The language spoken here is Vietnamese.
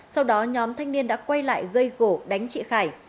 sau đó nhóm thanh niên đã quay lại gây gỗ đánh chị khải